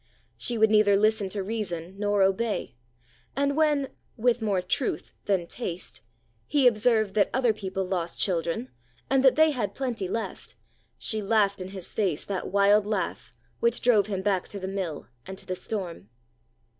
She would neither listen to reason nor obey; and when—with more truth than taste—he observed that other people lost children, and that they had plenty left, she laughed in his face that wild laugh which drove him back to the mill and to the storm.